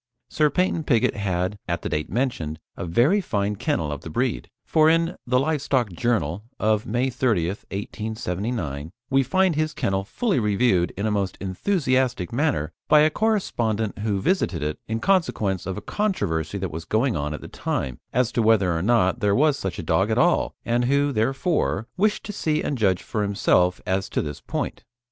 Sir Paynton Pigott had, at the date mentioned, a very fine kennel of the breed, for in The Live Stock Journal of May 30th, 1879, we find his kennel fully reviewed in a most enthusiastic manner by a correspondent who visited it in consequence of a controversy that was going on at the time, as to whether or not there was such a dog at all, and who, therefore, wished to see and judge for himself as to this point.